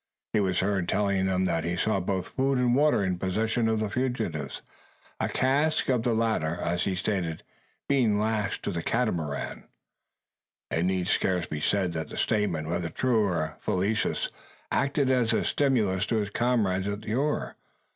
He was heard telling them that he saw both food and water in possession of the fugitives a cask of the latter, as he stated, being lashed to the Catamaran. It need scarce be said that the statement whether true or fallacious, acted as a stimulus to his comrades at the oar.